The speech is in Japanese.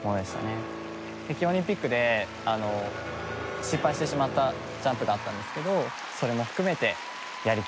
北京オリンピックで失敗してしまったジャンプだったんですけどそれも含めてやりきれた。